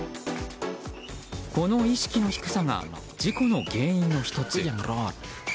この意識の低さが事故の原因の１つ。